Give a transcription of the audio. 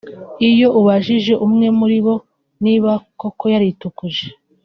Iyo ubajije umwe muri bo niba koko yaritukuje